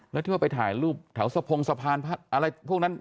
แล้วที่ว่าไปถ่ายรูปแถวสะพงสะพานอะไรพวกนั้น